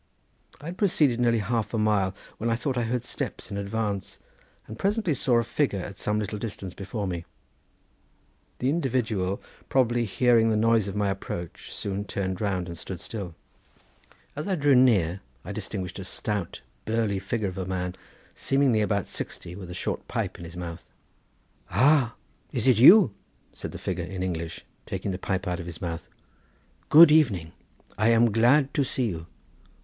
I had proceeded nearly half a mile, when I thought I heard steps in advance, and presently saw a figure at some little distance before me. The individual, probably hearing the noise of my approach, soon turned round and stood still. As I drew near I distinguished a stout burly figure of a man, seemingly about sixty, with a short pipe in his mouth. "Ah, is it you?" said the figure, in English, taking the pipe out of his mouth; "good evening, I am glad to see you."